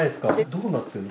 どうなってるの？